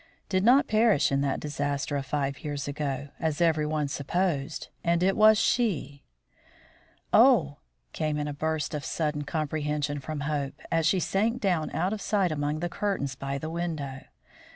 " Did not perish in that disaster of five years ago, as everyone supposed; and it was she " "Oh!" came in a burst of sudden comprehension from Hope, as she sank down out of sight among the curtains by the window.